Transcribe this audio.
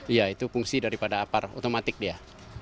iya itu fungsi daripada apar otomatis dia